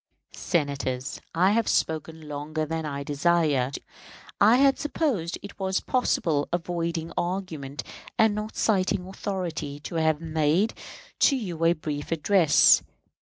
Senators, I have spoken longer than I desired. I had supposed it was possible, avoiding argument and not citing authority, to have made to you a brief address.